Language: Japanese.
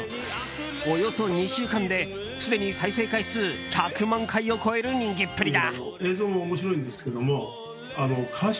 およそ２週間ですでに再生回数１００万回を超える人気っぷりだ。